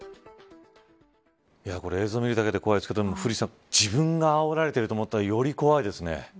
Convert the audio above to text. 映像を見るだけで怖いですけど古市さん、自分があおられてると思ったら、より怖いですね。